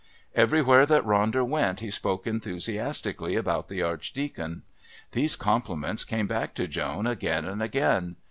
Everywhere that Ronder went he spoke enthusiastically about the Archdeacon. These compliments came back to Joan again and again.